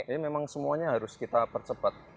jadi memang semuanya harus kita percepat